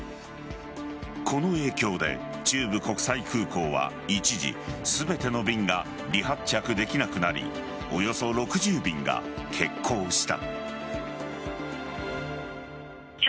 この影響で中部国際空港は一時全ての便が離発着できなくなりおよそ６０便が欠航した。